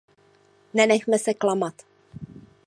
Nenechme se klamat.